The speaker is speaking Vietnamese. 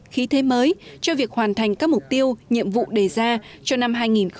khí thế mới cho việc hoàn thành các mục tiêu nhiệm vụ đề ra cho năm hai nghìn hai mươi